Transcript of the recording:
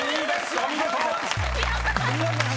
お見事！］